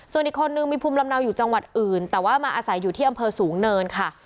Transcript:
ส่วนอีกคนนึงมีภูมิลำเนาอยู่จังหวัดอื่นแต่ว่ามาอาศัยอยู่ที่อำเภอสูงเนินค่ะ